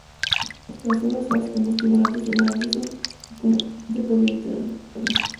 Las hojas son utilizadas como estimulantes del apetito y como laxante por vía interna.